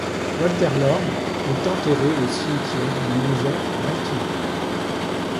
Walter Lord est enterré au cimetière du Mont Vert à Baltimore.